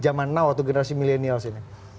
jaman now atau generasi milenial ini